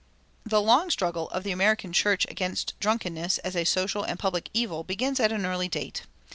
The long struggle of the American church against drunkenness as a social and public evil begins at an early date.